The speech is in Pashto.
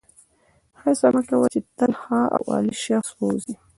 هڅه مه کوه چې تل ښه او عالي شخص واوسې.